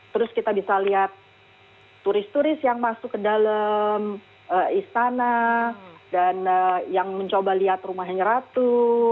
terus kita bisa lihat turis turis yang masuk ke dalam istana dan yang mencoba lihat rumahnya ratu